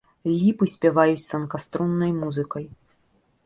Ліпы спяваюць танкаструннай музыкай.